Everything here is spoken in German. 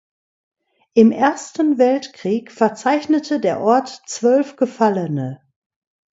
Im Ersten Weltkrieg verzeichnete der Ort zwölf Gefallene.